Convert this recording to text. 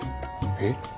えっ？